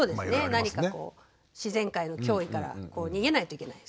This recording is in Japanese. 何かこう何か自然界の脅威から逃げないといけない。